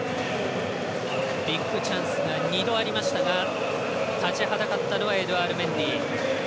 ビッグチャンスが２度ありましたが立ちはだかったのはエドゥアール・メンディ。